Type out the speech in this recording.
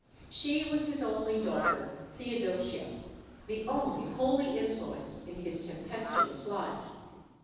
She was his only daughter, Theodosia ; the only holy influence in his tempestuous life.